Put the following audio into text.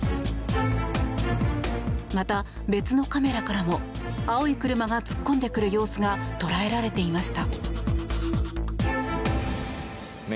また、別のカメラからも青い車が突っ込んでくる様子が捉えられていました。